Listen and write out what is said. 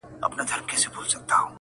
حقيقت له کيسې نه لوی دی,